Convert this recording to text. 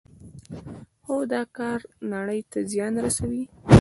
خو دا کار نړۍ ته زیان رسوي.